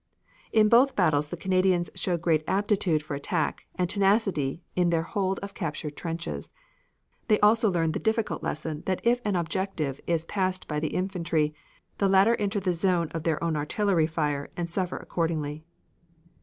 In both battles the Canadians showed great aptitude for attack, and tenacity in their hold of captured trenches. They also learned the difficult lesson that if an objective is passed by the infantry the latter enter the zone of their own artillery fire and suffer accordingly.